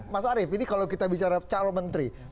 mas arief ini kalau kita bicara calon menteri